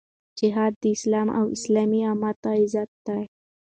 جهاد د اسلام او اسلامي امت عزت دی.